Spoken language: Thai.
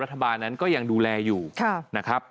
รัฐบาลนั้นก็ยังดูแลอยู่นะครับ